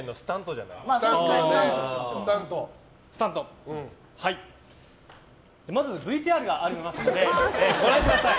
はいではまずＶＴＲがありますのでご覧ください。